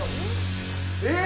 えっ？